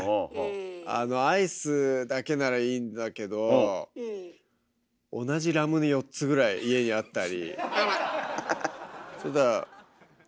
あのアイスだけならいいんだけど同じラムネ４つぐらい家にあったり。